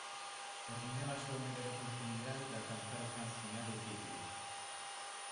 Terminaba a súa mellor oportunidade de alcanzar o tan soñado título.